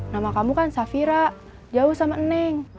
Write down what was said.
nama kamu kan safira jauh sama neng